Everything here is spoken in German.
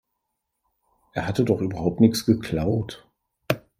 Er hatte doch überhaupt nichts geklaut.